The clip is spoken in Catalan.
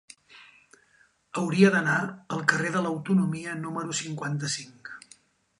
Hauria d'anar al carrer de l'Autonomia número cinquanta-cinc.